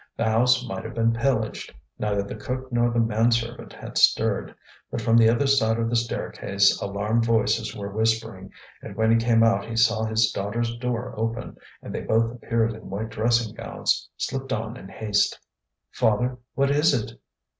The house might have been pillaged; neither the cook nor the man servant had stirred. But from the other side of the staircase alarmed voices were whispering; and when he came out he saw his daughters' door open, and they both appeared in white dressing gowns, slipped on in haste. "Father, what is it?"